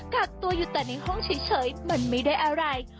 กักตัวอยู่แต่ในห้องเฉยมันไม่ได้อะไร